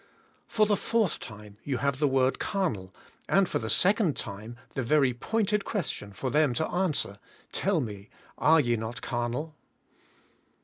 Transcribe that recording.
For the fourth time you have the word "carnal" a.nd for the second time the very pointed question for them to answer " Tell me, are ye not carnal?"